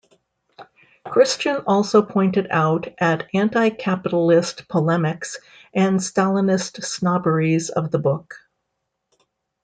Christian also pointed out at anti-capitalist polemics and Stalinist snobberies of the book.